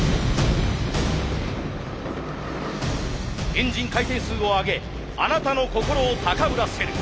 エンジン回転数を上げあなたの心を高ぶらせる。